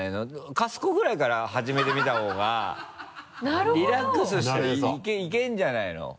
カス子ぐらいから始めてみたほうがリラックスしていけるんじゃないの？